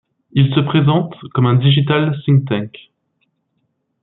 Il se présente comme un digital think tank.